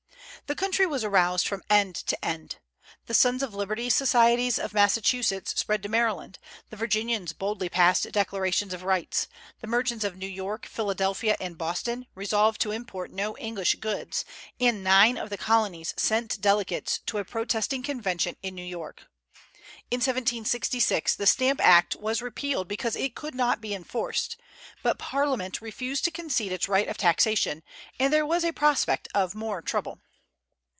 The country was aroused from end to end. The "Sons of Liberty" societies of Massachusetts spread to Maryland; the Virginians boldly passed declarations of rights; the merchants of New York, Philadelphia, and Boston resolved to import no English goods; and nine of the Colonies sent delegates to a protesting Convention in New York. In 1766 the Stamp Act was repealed because it could not be enforced; but Parliament refused to concede its right of taxation, and there was a prospect of more trouble.